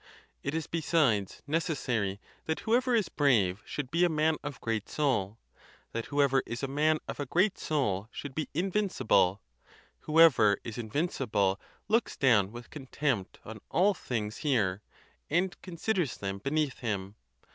It is, besides, necessary that whoever is brave should be a man of great soul; that whoever is a man of a great soul should be invincible; whoever is in vincible looks down with contempt on all things here, and considers them beneath him.